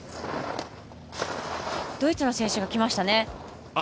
ドイツの選手がきましたね。